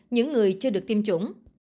những người chưa được tiêm chủng